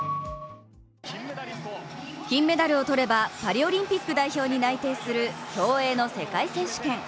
金メダルをとれば、パリオリンピック代表に内定する競泳の世界選手権。